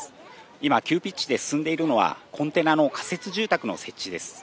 今、急ピッチで進んでいるのは、コンテナの仮設住宅の設置です。